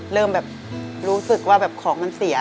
เริ่มแบบรู้สึกว่าแบบของมันเสีย